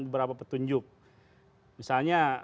beberapa petunjuk misalnya